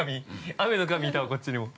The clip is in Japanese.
雨の神いたわ、こっちにも。